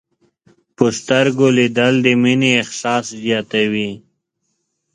په سترګو لیدل د مینې احساس زیاتوي